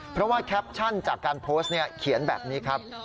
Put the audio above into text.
เพราะว่าแคปชั่นจากการโพสต์เขียนแบบนี้ครับ